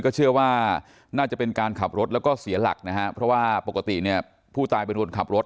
เชื่อว่าน่าจะเป็นการขับรถแล้วก็เสียหลักนะฮะเพราะว่าปกติเนี่ยผู้ตายเป็นคนขับรถ